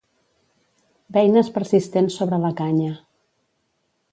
Beines persistents sobre la canya.